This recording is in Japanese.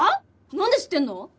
なんで知ってんの？